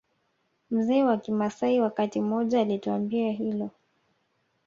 Mzee wa kimaasai wakati mmoja alituambia hilo